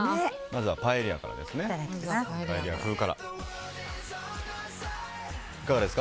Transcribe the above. まずはパエリア風からです。